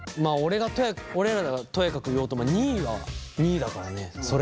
俺らがとやかく言おうとも２位は２位だからねそれが。